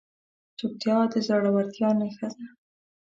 چوپتیا، د زړورتیا نښه ده.